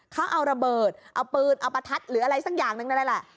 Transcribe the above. เขาเอาระเบิดเอาปืนเอาประทัดหรืออะไรสักอย่างหนึ่งนั่นแหละ